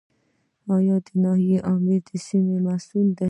د ناحیې آمر د سیمې مسوول دی